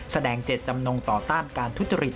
แสดงเจตจำนงต่อต้านการทุจริต